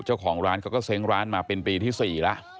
เจ้าของร้านเขาก็เซ้งร้านมาเป็นปีที่๔แล้ว